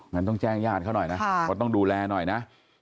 งั้นต้องแจ้งญาติเขาหน่อยนะเพราะต้องดูแลหน่อยนะ